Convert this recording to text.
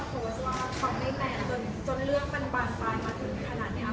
ความไม่แทนจนเรื่องเป็นบานปลายมาถึงขนาดเนี่ย